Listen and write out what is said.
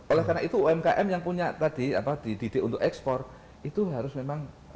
oleh karena itu umkm yang punya tadi apa di didik untuk export itu harus memang mendorong